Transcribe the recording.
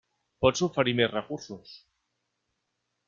Pots oferir més recursos.